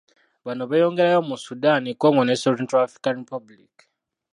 Bano beeyongerayo mu Sudan, Congo ne Central African Republic.